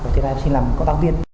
thế là em xin làm công tác viên